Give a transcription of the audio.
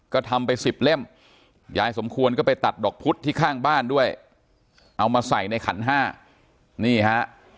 ก็ทำไปสิบเล่มยายสมควรก็ไปตัดดอกพุธที่ข้างบ้านด้วยเอามาใส่ในขันห้านี่ฮะ